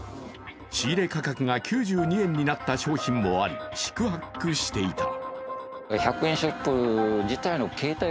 仕入れ価格が９２円になった商品もあり、四苦八苦していた。